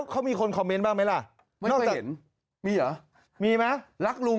ก็สองเปอร์เซ็นต์ไงคุณ